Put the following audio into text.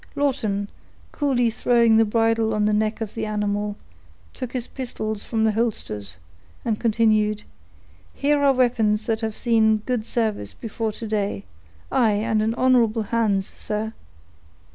Lawton, coolly throwing the bridle on the neck of the animal, took his pistols from the holsters, and continued, "Here are weapons that have seen good service before to day—aye, and in honorable hands, sir.